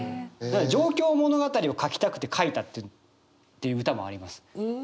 だから上京物語を書きたくて書いたっていう歌もあります。